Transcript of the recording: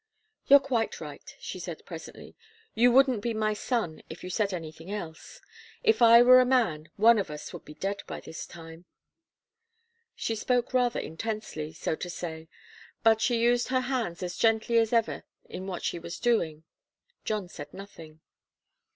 "You're quite right," she said presently. "You wouldn't be my son, if you said anything else. If I were a man, one of us would be dead by this time." She spoke rather intensely, so to say, but she used her hands as gently as ever in what she was doing. John said nothing.